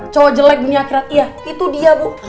cowok jelek di akhirat iya itu dia bu